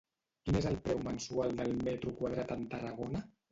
Quin és el preu mensual del metro quadrat en Tarragona?